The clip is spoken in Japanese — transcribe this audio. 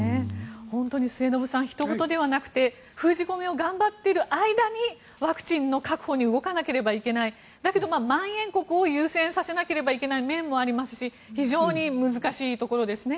本当に末延さんひと事ではなくて封じ込めを頑張っている間にワクチンの確保に動かなければいけないだけど、まん延国を優先させなければいけない面もありますし非常に難しいですね。